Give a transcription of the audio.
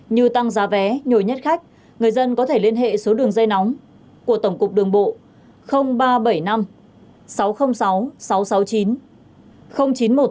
như tăng giá vé nhồi nhét khách người dân có thể liên hệ số đường dây nóng của tổng cục đường bộ